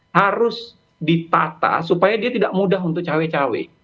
harus ditata supaya dia tidak mudah untuk cawe cawe